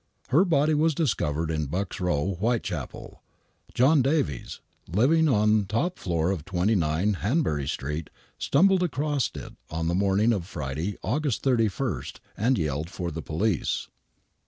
Her body was discovered in Buck's Kow, Whitechapel. John Davies, living on top floor of 29 Hanbury Street, stumbled across it on the morning of Friday, August 31, and yelled for the police.